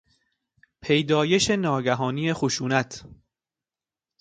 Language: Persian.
پیدایش ناگهانی خشونت